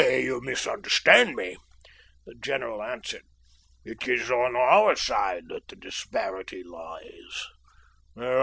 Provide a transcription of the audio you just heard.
"You misunderstand me," the general answered. "It is on our side that the disparity lies.